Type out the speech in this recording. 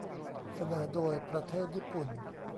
เสนอโดยประเทศญี่ปุ่น